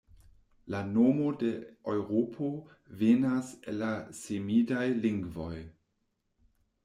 La nomo de Eŭropo venas el la semidaj lingvoj.